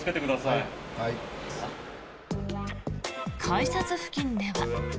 改札付近では。